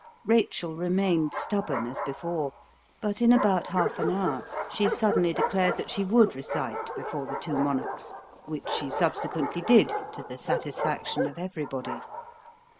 Rachel remained stubborn as before; but in about half an hour she suddenly declared that she would recite before the two monarchs, which she subsequently did, to the satisfaction of everybody.